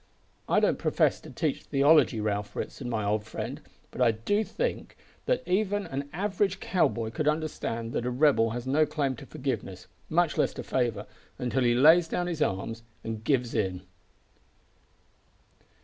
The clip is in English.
I don't profess to teach theology, Ralph Ritson, my old friend, but I do think that even an average cow boy could understand that a rebel has no claim to forgiveness much less to favour until he lays down his arms and gives in."